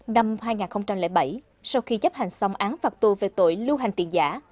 năm hai nghìn bảy sau khi chấp hành xong án phạt tù về tội lưu hành tiền giả